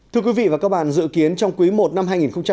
thưa quý vị và các bạn dự kiến trong quý i năm hai nghìn một mươi chín